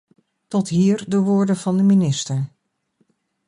Tot hier de woorden van de minister.